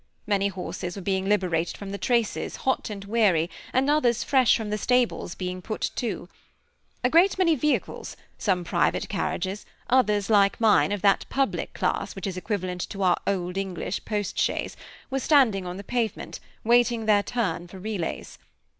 Many horses were being liberated from the traces, hot and weary, and others fresh from the stables being put to. A great many vehicles some private carriages, others, like mine, of that public class which is equivalent to our old English post chaise, were standing on the pavement, waiting their turn for relays.